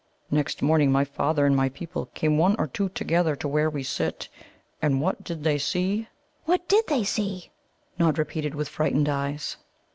Next morning my father and my people came one or two together to where we sit, and what did they see?" "What did they see?" Nod repeated, with frightened eyes.